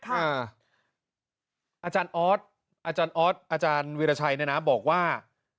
อาจารย์ออสอาจารย์ออสอาจารย์วีรชัยเนี่ยนะบอกว่า